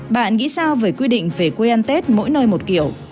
bạn nghĩ sao về quy định về quê ăn tết mỗi nơi một kiểu